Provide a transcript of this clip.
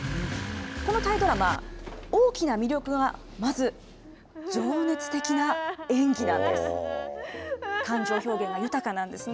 このタイドラマ、大きな魅力はまず、情熱的な演技なんです。